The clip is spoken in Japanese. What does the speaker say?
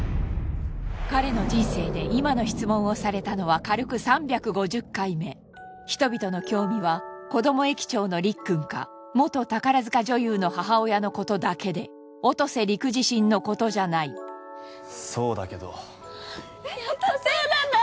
彼の人生で今の質問をされたのは軽く３５０回目人々の興味は子ども駅長のりっくんか元宝塚女優の母親のことだけで音瀬陸自身のことじゃないそうだけどやっぱそうなんだ！